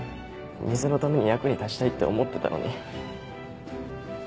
店のために役に立ちたいって思ってたのに。